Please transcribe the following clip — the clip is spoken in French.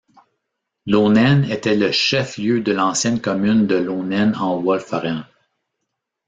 Loenen était le chef-lieu de l'ancienne commune de Loenen en Wolferen.